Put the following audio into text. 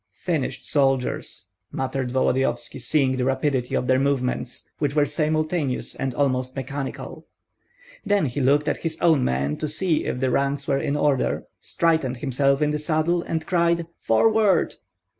"Finished soldiers!" muttered Volodyovski, seeing the rapidity of their movements, which were simultaneous and almost mechanical. Then he looked at his own men to see if the ranks were in order, straightened himself in the saddle, and cried, "Forward!"